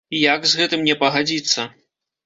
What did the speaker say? Як з гэтым не пагадзіцца!